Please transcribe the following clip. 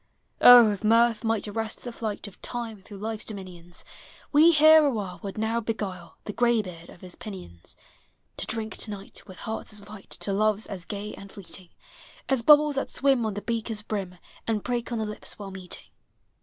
Oh! if Mirth might arrest the flight Of Time through Life's dominions. We here a while would now beguile The gra ylieard of his pinions. To drink to night, with hearts as light, To loves as gag and fleeting As bubbles that swim on the beaker's brim, And break on the lips while meeting.